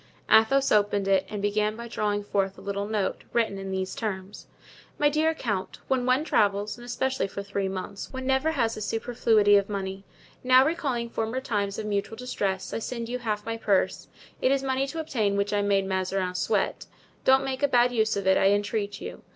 Athos opened it and began by drawing forth a little note, written in these terms: "My dear Count,—When one travels, and especially for three months, one never has a superfluity of money. Now, recalling former times of mutual distress, I send you half my purse; it is money to obtain which I made Mazarin sweat. Don't make a bad use of it, I entreat you.